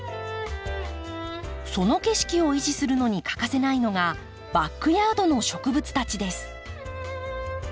その景色を維持するのに欠かせないのがバックヤードの植物たちです。